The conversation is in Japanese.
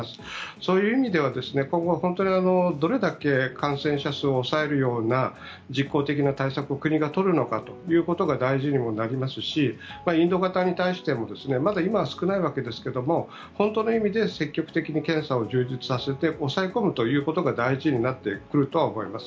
そういう意味では今後、本当にどれだけ感染者数を抑えるような実効的な対策を国が取るのかということが大事にもなりますしインド型に対してもまだ今は少ないわけですが本当の意味で積極的に検査を充実させて抑え込むということが大事になってくるとは思います。